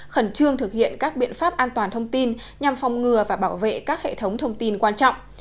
khẩn trương thực hiện các biện pháp an toàn thông tin nhằm phòng ngừa và bảo vệ các hệ thống thông tin quan trọng